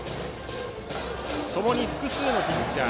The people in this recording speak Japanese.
ともに複数のピッチャー。